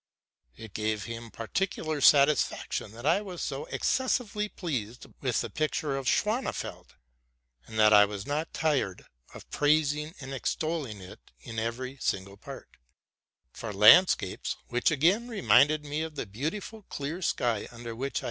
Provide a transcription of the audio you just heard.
It gave him particu lar satisfaction that I was so excessively pleased with a pic ture by Schwanefeld, and that I was not tired of praising and extolling it in every single part; for landscapes, which again reminded me of the beautiful clear sky under which I RELATING TO MY LIFE.